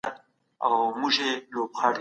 دا هغه وسیله ده چي موږ ورته اړتیا لرو.